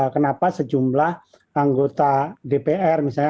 kenapa sejumlah anggota dpr misalnya